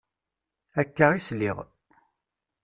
Akka i sliɣ.